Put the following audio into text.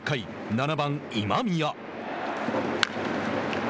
７番今宮。